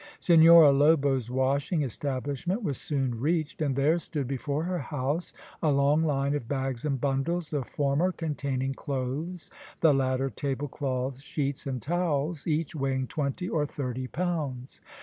Senhora Lobo's washing establishment was soon reached, and there stood before her house a long line of bags and bundles, the former containing clothes, the latter tablecloths, sheets, and towels, each weighing twenty or thirty pounds.